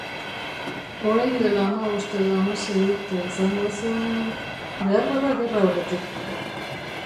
Orain dela hamabost edo hamasei urte izango zen... beharbada gerra aurretik.